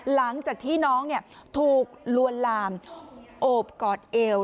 หลังจากที่น้องถูกลวนลามโอบกอดเอว